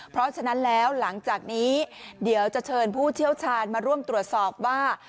เพราะฉะนั้นแล้วหลังจากนี้เดี๋ยวจะเชิญผู้เชี่ยวชาญมาร่วมตรวจสอบว่า